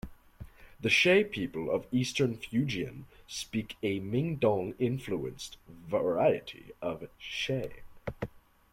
The She people of Eastern Fujian speak a Min Dong-influenced variety of She.